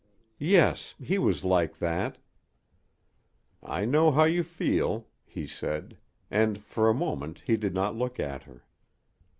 "Yes he was like that." "I know how you feel," he said; and for a moment he did not look at her.